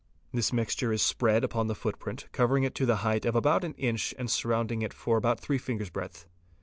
This mixture is spread upon the footprint, covering it to the height of about an inch and surrounding it for about three finger's breadth.